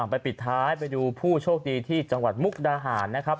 ปิดท้ายไปดูผู้โชคดีที่จังหวัดมุกดาหารนะครับ